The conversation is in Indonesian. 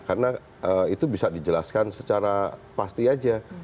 karena itu bisa dijelaskan secara pasti aja